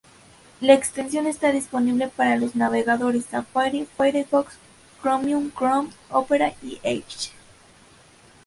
La extensión está disponible para los navegadores Safari, Firefox, Chromium, Chrome, Opera y Edge.